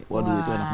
waduh itu enak banget